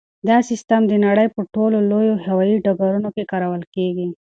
دا سیسټم د نړۍ په ټولو لویو هوایي ډګرونو کې کارول کیږي.